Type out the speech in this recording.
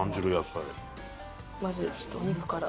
まずちょっとお肉から。